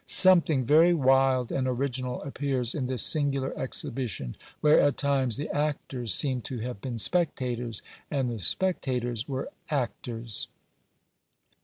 Something very wild and original appears in this singular exhibition; where at times the actors seem to have been spectators, and the spectators were actors.